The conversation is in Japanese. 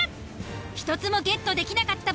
１つもゲットできなかった場合